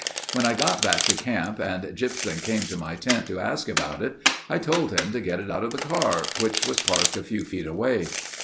When I got back to camp and Gypsum came to my tent to ask about it, I told him to get it out of the car, which was parked a few feet away.